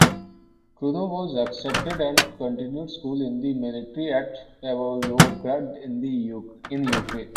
Khrunov was accepted and continued school in the military at Pavlograd in Ukraine.